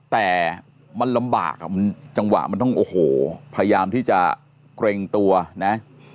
แต่มันลำบากอ่ะมันจังหวะมันต้องโอ้โหพยายามที่จะเกรงตัวนะ